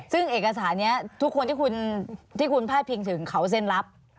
ซึ่งเอกสารนี้ทุกคนที่คุณพาดพิงถึงเขาเซ็นรับ